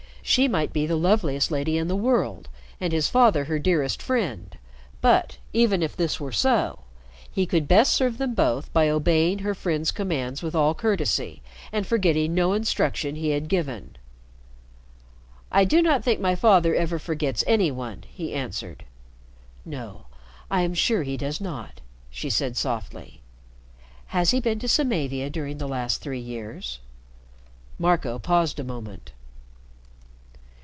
She might be the loveliest lady in the world and his father her dearest friend, but, even if this were so, he could best serve them both by obeying her friend's commands with all courtesy, and forgetting no instruction he had given. "I do not think my father ever forgets any one," he answered. "No, I am sure he does not," she said softly. "Has he been to Samavia during the last three years?" Marco paused a moment.